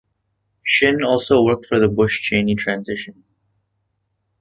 Shin also worked for the Bush-Cheney transition.